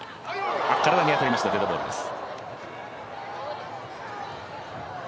体に当たりましたデッドボールです。